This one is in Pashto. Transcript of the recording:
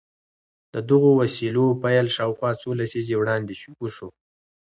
د دغو وسيلو پيل شاوخوا څو لسيزې وړاندې وشو.